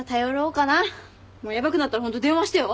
ヤバくなったらホント電話してよ？